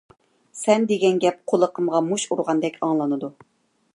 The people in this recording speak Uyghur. سەن دېگەن گەپ قۇلىقىمغا مۇش ئۇرغاندەك ئاڭلىنىدۇ.